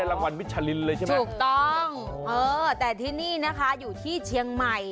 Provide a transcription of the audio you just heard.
รางวัลมิชลินเลยใช่ไหมถูกต้องเออแต่ที่นี่นะคะอยู่ที่เชียงใหม่